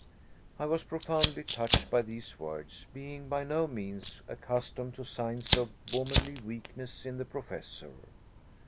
I was profoundly touched by these words, being by no means accustomed to signs of womanly weakness in the Professor.